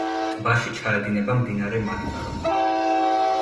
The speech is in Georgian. ტბაში ჩაედინება მდინარე მანტარო.